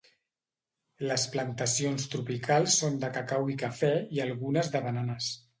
Les plantacions tropicals són de cacau i cafè i algunes de bananes.